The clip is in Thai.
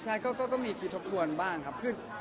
ใช่ก็มีคิดทบทวนบ้างครับ